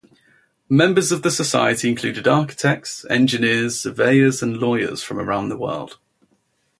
Members of the Society include architects, engineers, surveyors and lawyers from around the world.